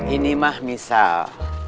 ini mah misal